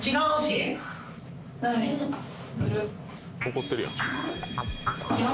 怒ってるやん。